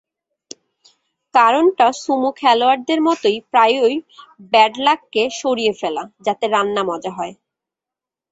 কারণটা সুমো খেলোয়াড়দের মতো প্রায়ই ব্যাডলাককে সরিয়ে ফেলা, যাতে রান্না মজা হয়।